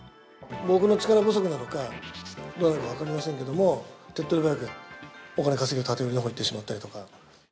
僕の力不足なのか、分かりませんけれども、手っ取り早くお金稼げる建て売りのほう行ってしまったりとか。